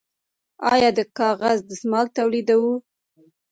آیا د کاغذ دستمال تولیدوو؟